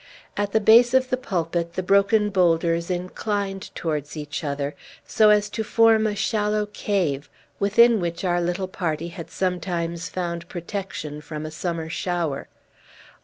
At the base of the pulpit, the broken bowlders inclined towards each other, so as to form a shallow cave, within which our little party had sometimes found protection from a summer shower.